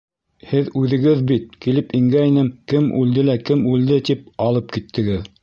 Һеҙ үҙегеҙ бит килеп ингәйнем, кем үлде лә, кем үлде, тип алып киттегеҙ.